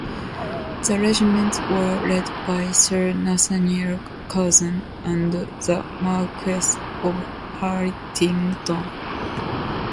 The regiments were led by Sir Nathaniel Curzon and the Marquess of Hartington.